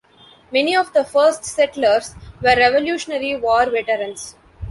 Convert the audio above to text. Many of the first settlers were Revolutionary War veterans.